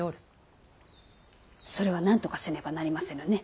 それはなんとかせねばなりませぬね。